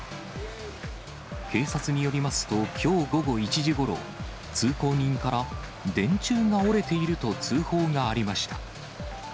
警察によりますと、きょう午後１時ごろ、通行人から、電柱が折れていると通報がありました。